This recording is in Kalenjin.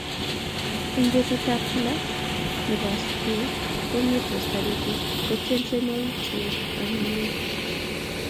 en betutab kla nebo asubui kongetsoot taritik kotieni tienwokik cheonyinyen